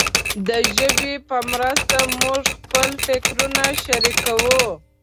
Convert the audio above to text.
د ژبې په مرسته موږ خپل فکرونه شریکوو.